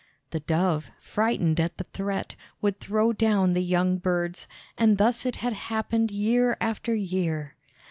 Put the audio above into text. The dove, frightened at the threat, would throw down the young birds and thus it had happened year after year.